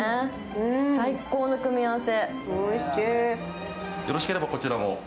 最高の組み合わせ。